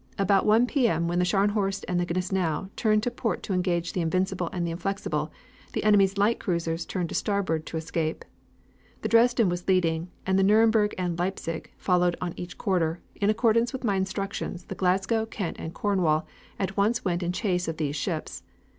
About one P. M. when the Scharnhorst and the Gneisenau turned to port to engage the Invincible and the Inflexible, the enemy's light cruisers turned to starboard to escape. The Dresden was leading, and the Nuremburg and Leipzig followed on each quarter. In accordance with my instructions, the Glasgow, Kent and Cornwall at once went in chase of these ships.